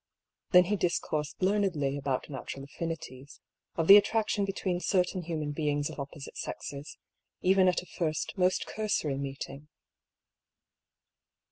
Then he discoursed learnedly about natural affinities, of the attraction between certain human beings of oppo site sexes, even at a first most cursory meeting.